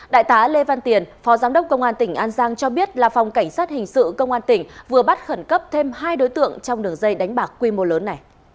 đại tá lê văn tiền phó giám đốc công an tỉnh an giang cho biết là phòng cảnh sát hình sự công an tỉnh vừa bắt khẩn cấp thêm hai đối tượng trong đường dây đánh bạc quy mô lớn này